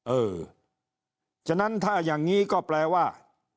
เออฉะนั้นถ้าอย่างนี้ก็แปลว่า